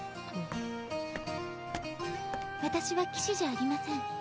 私は騎士じゃありません。